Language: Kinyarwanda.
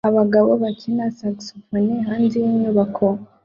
abagabo bakina saxafone hanze yinyubako